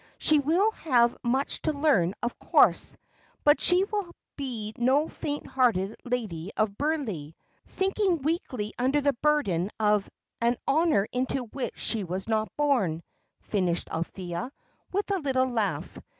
She will have much to learn, of course; but she will be no faint hearted Lady of Burleigh, sinking weakly under the burden of 'an honour into which she was not born,'" finished Althea, with a little laugh.